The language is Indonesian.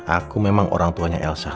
aku memang orang tuanya elsa